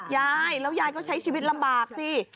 ยายแล้วยายก็ใช้ชีวิตลำบากสิ